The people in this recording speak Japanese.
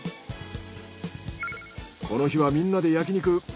この日はみんなで焼肉。